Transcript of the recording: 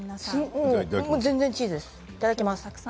いただきます。